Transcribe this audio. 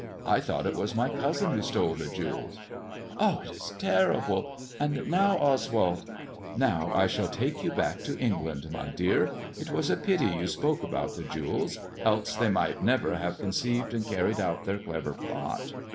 I thought it was my cousin who stole the jewels." " It is terrible. And now, Oswald "" Now I shall take you back to England, my dear. It was a pity you spoke about the jewels, else they might never have conceived and carried out their clever plot.